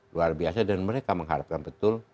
luar biasa dan mereka mengharapkan betul